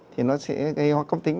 thì nó sẽ gây ho cấp tính